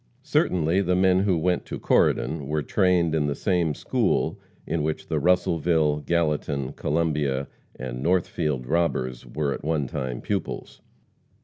Certainly the men who went to Corydon were trained in the same school in which the Russellville, Gallatin, Columbia and Northfield robbers were at one time pupils.